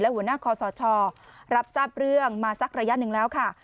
หัวหน้าคอสชรับทราบเรื่องมาสักระยะหนึ่งแล้วค่ะ